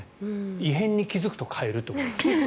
異変に気付くと替えるという。